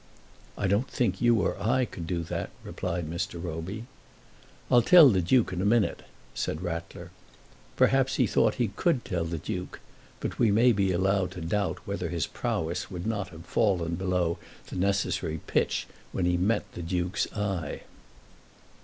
"I don't think you or I could do that," replied Mr. Roby. "I'll tell the Duke in a minute," said Rattler. Perhaps he thought he could tell the Duke, but we may be allowed to doubt whether his prowess would not have fallen below the necessary pitch when he met the Duke's eye.